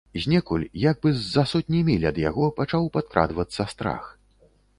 Знекуль, як бы з-за сотні міль ад яго, пачаў падкрадвацца страх.